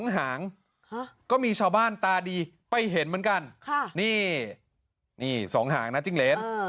ฮะก็มีชาวบ้านตาดีไปเห็นเหมือนกันค่ะนี่นี่สองหางน่ะจิ้งเหรนเออ